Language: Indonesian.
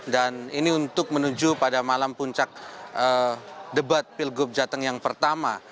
dan ini untuk menuju pada malam puncak debat pilgub jateng yang pertama